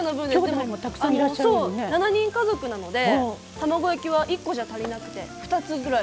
７人家族なので卵焼きは１コじゃ足りなくて２つぐらい卵。